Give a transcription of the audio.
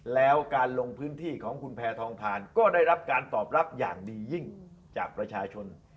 แล้วการลงพื้นที่ของคุณแพทองทานก็ได้รับการตอบรับอย่างดียิ่งจากประชาชน